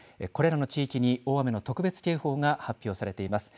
これらの地域に大雨の特別警報が発表されています。